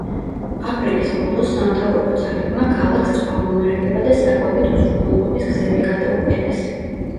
აპრილის ბოლოს სამთავრობო ძალებმა ქალაქს წყალმომარაგება და საკვებით უზრუნველყოფის გზები გადაუკეტეს.